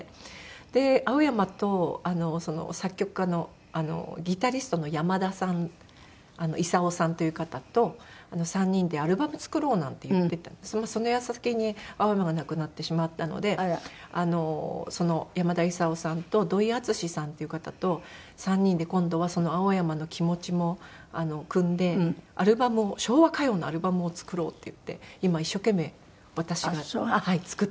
で青山と作曲家のギタリストの山田さん勳生さんという方と３人でアルバム作ろうなんて言ってたその矢先に青山が亡くなってしまったのでその山田勳生さんと土井淳さんという方と３人で今度は青山の気持ちもくんでアルバムを昭和歌謡のアルバムを作ろうっていって今一生懸命私が作ってます。